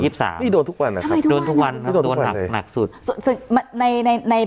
ไม่ได้โดนทุกวันนะครับไม่ได้โดนทุกวันนะครับโดนอักหนักสุด